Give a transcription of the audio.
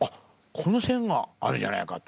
この線があるじゃないかと。